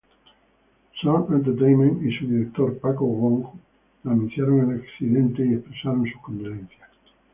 Sun Entertainment y, su director, Paco Wong, anunciaron el accidente y expresaron sus condolencias.